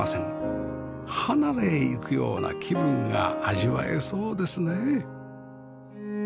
離れへ行くような気分が味わえそうですね